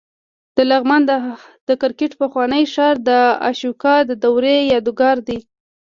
د لغمان د کرکټ پخوانی ښار د اشوکا د دورې یادګار دی